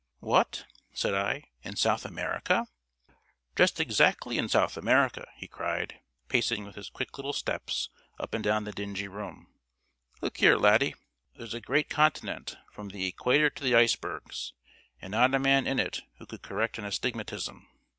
"What!" said I, "in South America?" "Just exactly in South America," he cried, pacing with his quick little steps up and down the dingy room. "Look here, laddie! There's a great continent from the equator to the icebergs, and not a man in it who could correct an astigmatism.